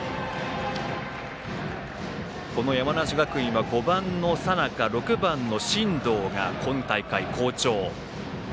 山梨学院は５番の佐仲６番の進藤が今大会、好調。